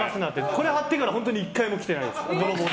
これ貼ってから本当に１回も来てないです。